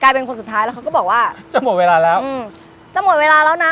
เป็นคนสุดท้ายแล้วเขาก็บอกว่าจะหมดเวลาแล้วอืมจะหมดเวลาแล้วนะ